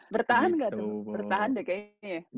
bertahan gak tuh bertahan deh kayaknya ya